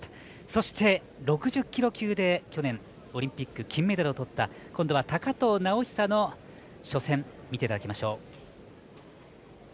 そして６０キロ級で去年オリンピック金メダルをとった今度は高藤直寿の初戦見ていただきましょう。